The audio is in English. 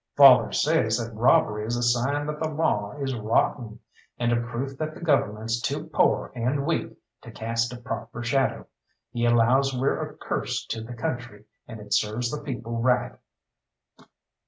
"Father says that robbery is a sign that the law is rotten, and a proof that the Government's too pore and weak to cast a proper shadow. He allows we're a curse to the country, and it serves the people right."